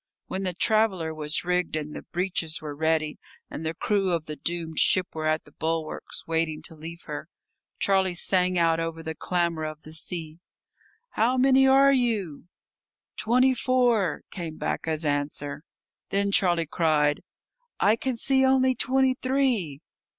When the "traveller" was rigged and the "breeches" were ready, and the crew of the doomed ship were at the bulwarks waiting to leave her, Charlie sang out over the clamour of the sea: "How many are you?" "Twenty four," came back as answer. Then Charlie cried, "I can see only twenty three."